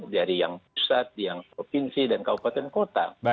dari yang pusat yang provinsi dan kabupaten kota